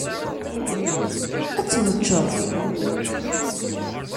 Ad temmeččed.